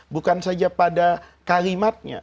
bukan saja pada kalimatnya